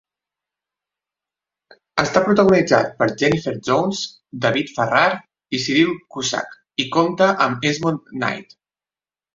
Està protagonitzat per Jennifer Jones, David Farrar i Cyril Cusack i compta amb Esmond Knight.